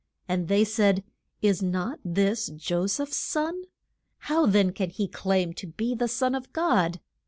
And they said, Is not this Jo seph's son? How then can he claim to be the Son of God?